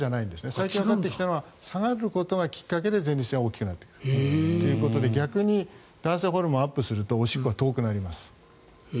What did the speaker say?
最近わかってきたのは下がることがきっかけで前立腺が大きくなってくるということで逆に男性ホルモンがアップするとおしっこは遠くなります。